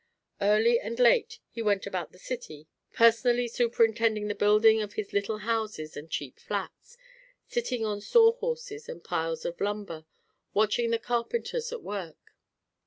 Early and late he went about the city, personally superintending the building of his little houses and cheap flats, sitting on saw horses and piles of lumber, watching the carpenters at work.